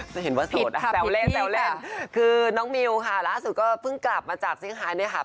จะเห็นว่าโสดนะคะแซวเล่นแซวเล่นคือน้องมิวค่ะล่าสุดก็เพิ่งกลับมาจากซิงไฮเนี่ยค่ะ